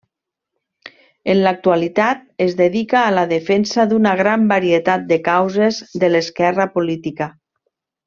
En l'actualitat es dedica a la defensa d'una gran varietat de causes de l'esquerra política.